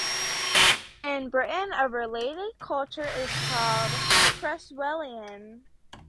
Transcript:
In Britain a related culture is called Creswellian.